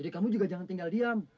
kamu juga jangan tinggal diam